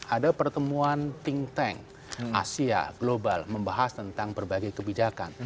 ada pertemuan think tank asia global membahas tentang berbagai kebijakan